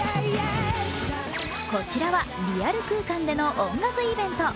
こちらはリアル空間での音楽イベント。